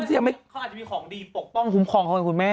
เขาอาจจะมีของดีปกป้องคุ้มครองเขาไหมคุณแม่